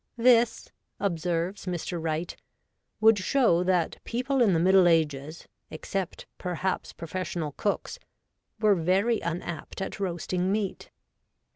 'This,' observes Mr. Wright, ' would show that people in the Middle Ages, except, perhaps, professional cooks, were very unapt at roasting meat.'